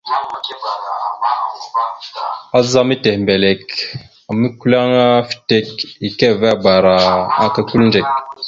Azzá mehitembelek a mʉkʉleŋá fitek ekeveabara aka kʉliŋdzek.